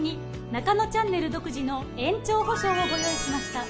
『ナカノチャンネル』独自の延長保証をご用意しました。